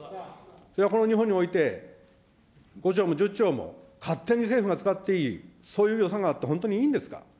それがこの日本において、５兆も１０兆も勝手に政府が使っていい、そういう予算があって本当にいいんですか。